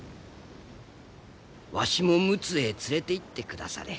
わしも陸奥へ連れていってくだされ。